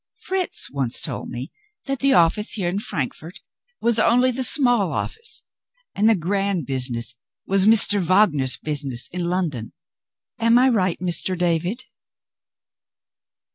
Fritz once told me that the office here in Frankfort was only the small office and the grand business was Mr. Wagner's business in London. Am I right, Mr. David?"